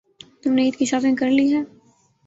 تم نے عید کی شاپنگ کر لی ہے؟